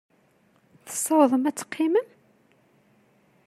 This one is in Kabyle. Tessawḍem ad teqqimem?